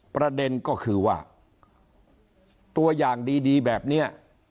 ประเด็นก็คือว่าตัวอย่างดีแบบนี้